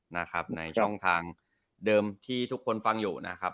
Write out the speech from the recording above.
นะครับในช่องทางเดิมที่ทุกคนฟังอยู่นะครับ